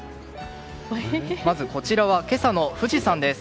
まずこちらは、今朝の富士山です。